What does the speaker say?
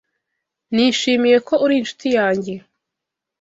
Nishimiye ko uri inshuti yanjye.